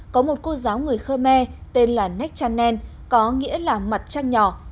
có một cô giáo người khmer tên là nek chanen có nghĩa là mặt trăng nhỏ